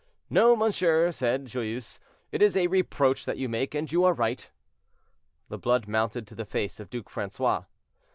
"No, monsieur," said Joyeuse, "it is a reproach that you make, and you are right." The blood mounted to the face of Duc Francois.